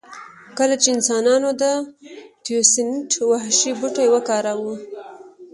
کله چې انسانانو د تیوسینټ وحشي بوټی وکاراوه